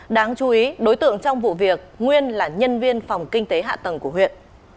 đáng chú ý đối tượng trong vụ việc nguyên là nhân viên phòng kinh tế hạ tầng của huyện